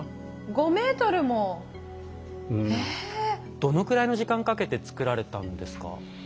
どのくらいの時間かけて作られたんですか？